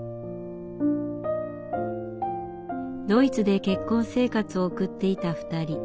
ドイツで結婚生活を送っていた２人。